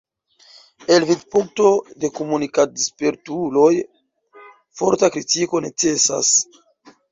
El vidpunkto de komunikad-spertuloj forta kritiko necesas.